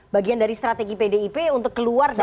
bagian dari strategi pdip untuk keluar dari